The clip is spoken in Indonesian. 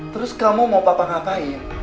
terus kamu mau papa ngapain